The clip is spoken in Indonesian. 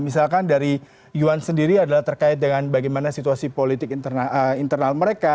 misalkan dari yuan sendiri adalah terkait dengan bagaimana situasi politik internal mereka